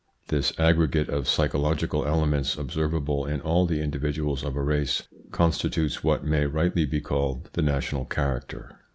This aggregate of psychological elements observable jti all the individuals of a race constitutes what may r igj>tly be called the national character.